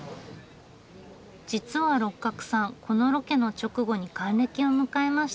実は六角さんこのロケの直後に還暦を迎えました。